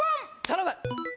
頼む